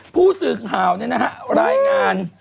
ผู้สื่อข่าวเนี่ยนะฮะรายงาน